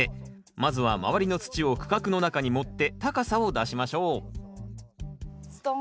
まずは周りの土を区画の中に盛って高さを出しましょうストン。